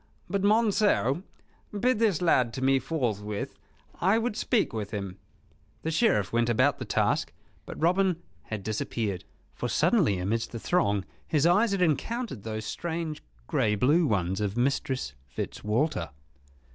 "But Monceux, bid this lad to me forthwith. I would speak with him." The Sheriff went about the task; but Robin had disappeared; for suddenly, amidst the throng, his eyes had encountered those strange grey blue ones of Mistress Fitzwalter.